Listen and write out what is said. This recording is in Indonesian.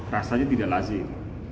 rasanya tidak lazim